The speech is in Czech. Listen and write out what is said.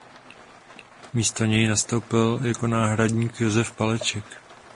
Místo něj nastoupil jako náhradník Josef Paleček.